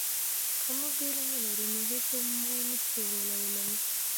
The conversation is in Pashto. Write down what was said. که موږ علم ولرو نو هیڅوک موږ نه سی غولولی.